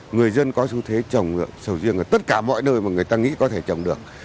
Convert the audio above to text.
người dân có xu thế trồng sầu riêng ở tất cả mọi nơi mà người ta nghĩ có thể trồng được